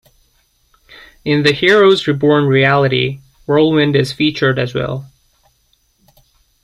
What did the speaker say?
In the "Heroes Reborn" reality, Whirlwind is featured as well.